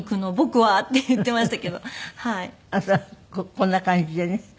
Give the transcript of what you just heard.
こんな感じでね